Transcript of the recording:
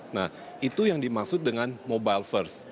nah itu yang dimaksud dengan mobile first